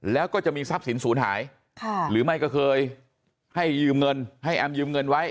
แล้วก็จะมีทรัพย์สินศูนย์หายหรือไม่ก็เคยให้ยืมเงินให้แอมยืมเงินไว้